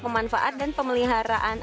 pemanfaat dan pemeliharaan